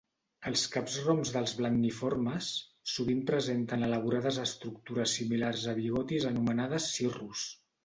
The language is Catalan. Els caps roms dels blenniiformes sovint presenten elaborades estructures similars a bigotis anomenades cirrus.